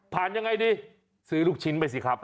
ยังไงดีซื้อลูกชิ้นไปสิครับ